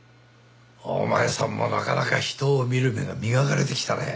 お前さんもなかなか人を見る目が磨かれてきたね。